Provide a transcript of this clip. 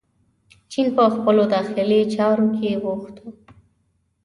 چین په خپلو داخلي چارو کې بوخت و.